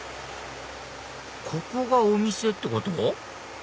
ここがお店ってこと？